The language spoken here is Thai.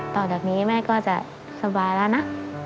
ต่อจากนี้แม่ก็จะสบายแล้วนะ